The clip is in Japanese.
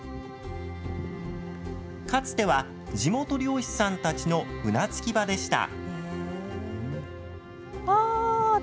かつては地元漁師さんたちの船着き場でした。